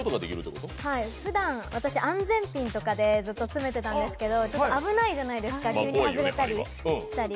ふだん、私安全ピンとかでずっと詰めてタンですけど、危ないじゃないですか、急に外れたりしたり。